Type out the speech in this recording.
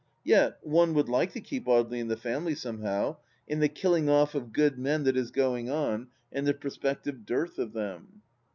Yet one would like to keep Audely in the family, somehow, in the killing off of good men that is going on and the prospective dearth of them.